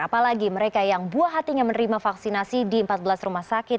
apalagi mereka yang buah hatinya menerima vaksinasi di empat belas rumah sakit